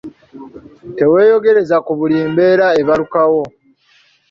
Teweeyogereza ku buli mbeera ebalukawo.